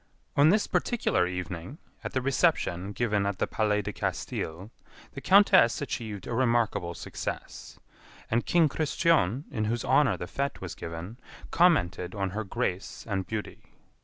On this particular evening, at the reception given at the Palais de Castille, the Countess achieved a remarkable success; and King Christian, in whose honor the fête was given, commented on her grace and beauty.